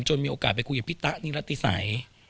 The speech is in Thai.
จนมีโอกาสไปคุยกับพี่ต้านี่ละติศัย